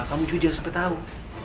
kamu juga jangan sampai tau